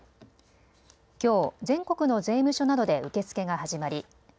きょう全国の税務署などで受け付けが始まり